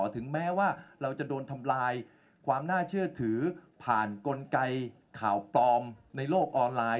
ถึงแม้ว่าเราจะโดนทำลายความน่าเชื่อถือผ่านกลไกข่าวปลอมในโลกออนไลน์